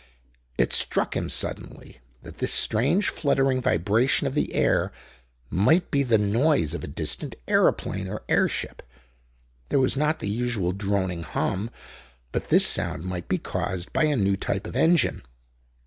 It struck him suddenly that this strange fluttering vibration of the air might be the noise of a distant aeroplane or airship; there was not the usual droning hum, but this sound might be caused by a new type of engine.